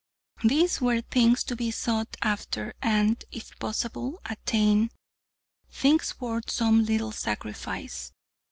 These were things to be sought after and, if possible, attained: things worth some little sacrifice.